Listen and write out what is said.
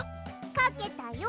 かけたよ！